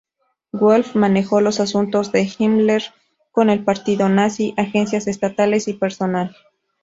Wolff manejó los asuntos de Himmler con el Partido Nazi, agencias estatales y personal.